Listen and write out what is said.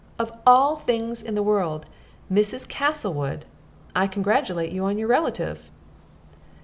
Of all things in the world 'Mrs. Castlewood!' I congratulate you on your relative."